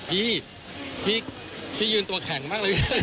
พี่พี่ยืนตัวแข็งมากเลย